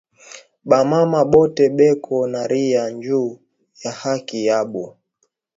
Ba mama bote beko naria nju ya haki yabo